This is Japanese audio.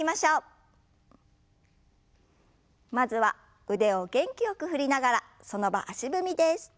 まずは腕を元気よく振りながらその場足踏みです。